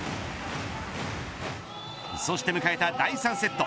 そして迎えた第３セット。